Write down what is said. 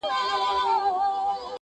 لکه ښاخ د زاړه توت غټ مړوندونه٫